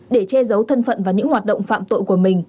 để che giấu thân phận và những hoạt động phạm tội của mình